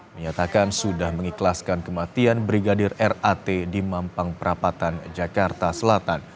menyatakan sudah mengikhlaskan kematian brigadir rat di mampang perapatan jakarta selatan